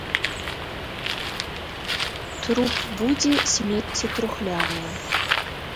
Труп будзе, смецце трухлявае.